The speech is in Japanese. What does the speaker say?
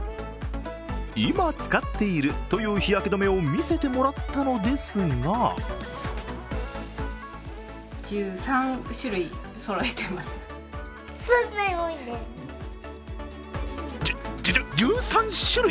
今使っているという日焼け止めをみせてもらったのですがじゅ、１３種類？